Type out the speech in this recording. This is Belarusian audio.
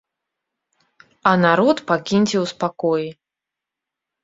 А народ пакіньце у спакоі.